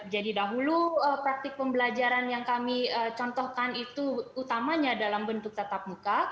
jadi dahulu praktik pembelajaran yang kami contohkan itu utamanya dalam bentuk tatap muka